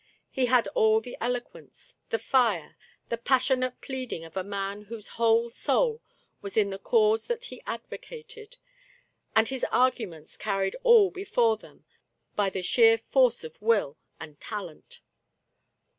He had all the eloquence, the fire, the passionate pleading of a man whose whole soul was in the cause that he advocated, and his arguments car ried all before them by the sheer force of will and talent.